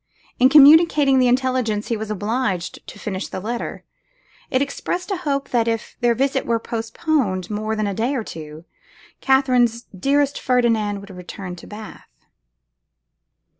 In communicating the intelligence, he was obliged to finish the letter; it expressed a hope that, if their visit were postponed for more than a day or two, Katherine's dearest Ferdinand would return to Bath.